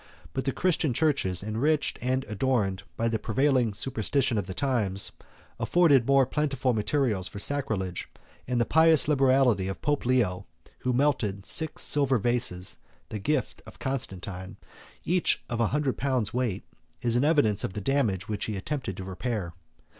But the Christian churches, enriched and adorned by the prevailing superstition of the times, afforded more plentiful materials for sacrilege; and the pious liberality of Pope Leo, who melted six silver vases, the gift of Constantine, each of a hundred pounds weight, is an evidence of the damage which he attempted to repair.